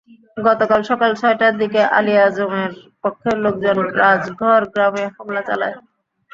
গতকাল সকাল ছয়টার দিকে আলী আজমের পক্ষের লোকজন রাজঘর গ্রামে হামলা চালায়।